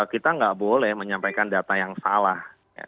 kita nggak boleh menyampaikan data yang salah